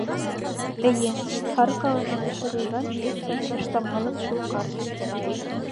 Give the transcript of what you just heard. Эйе, һары ҡағыҙға төшөрөлгән, өс сатраш тамғалы шул карта.